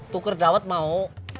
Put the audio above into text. tuker dawet mau